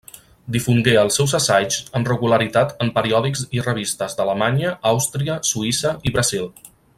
Difongué els seus assaigs amb regularitat en periòdics i revistes d'Alemanya, Àustria, Suïssa i Brasil.